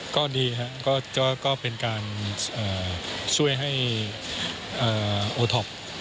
ก็ดีครับก็เป็นการช่วยให้โอท็อป